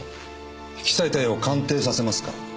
引き裂いた絵を鑑定させますか？